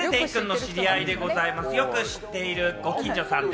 よく知っているご近所さんで